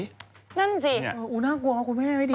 นั่นสิอย่างนี้อ้าวน่ากลัวคุณแม่ไม่ดี